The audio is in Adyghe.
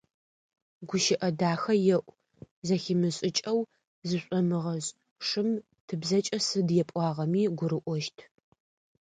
Гущыӏэ дахэ еӏу, зэхимышӏыкӏэу зышӏомыгъэшӏ, шым тыбзэкӏэ сыд епӏуагъэми гурыӏощт.